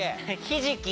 ひじき。